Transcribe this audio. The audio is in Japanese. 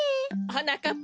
はなかっ